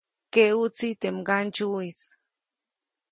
Keʼuʼtsi teʼ mgandsyuʼis.